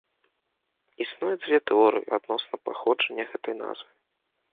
Існуе дзве тэорыі адносна паходжання гэтай назвы.